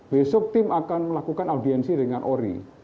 besok tim akan melakukan audiensi dengan ori